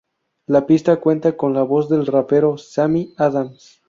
La pista cuenta con la voz del rapero Sammy Adams.